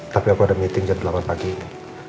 tapi aku ada meeting jam delapan pagi ini